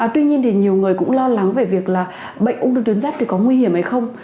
tuy nhiên thì nhiều người cũng lo lắng về việc là bệnh ung thư tuyệt giáp có nguy hiểm hay không